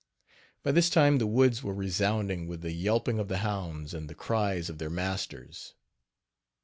By this time the woods were resounding with the yelping of the hounds and the cries of their masters.